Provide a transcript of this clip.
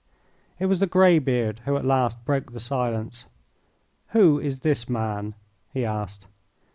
It was the grey beard who at last broke the silence. "Who is this man?" he asked.